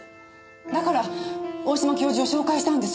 だから大島教授を紹介したんです。